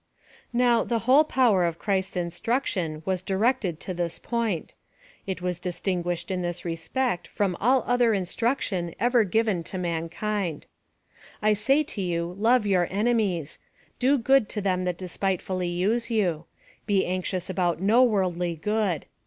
Now, tne whole power of Christ's instruction was directed to this pomt. It was distinguished in this respect from all other instruction ever given to man kind. I say unto you, love your enemies. Do good to them that despiteful ly use you. Be anxious about no worldly good.